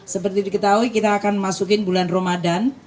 seperti diketahui kita akan masukin bulan ramadan